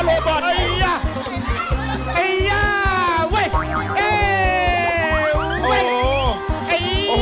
ไอ้ย่า